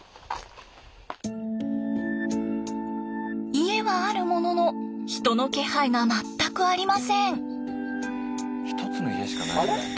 家はあるものの人の気配が全くありません。